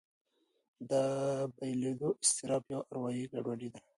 دا بېلېدو اضطراب یوه اروایي ګډوډي ده.